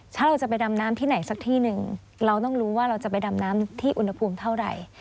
ถ้าเราจะไปดำน้ำที่ไหนสักที่หนึ่งเราต้องรู้ว่าเราจะไปดำน้ำที่อุณหภูมิเท่าไหร่